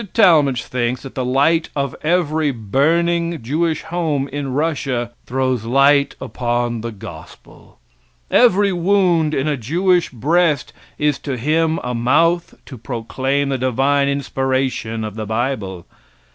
Talmage thinks that the light of every burning Jewish home in Russia throws light upon the gospel. Every wound in a Jewish breast is to him a mouth to proclaim the divine inspiration of the bible.